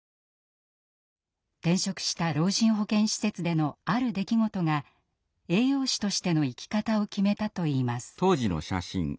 転職した老人保健施設でのある出来事が栄養士としての生き方を決めたといいます。